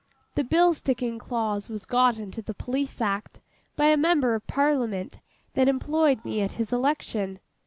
The bill sticking clause was got into the Police Act by a member of Parliament that employed me at his election.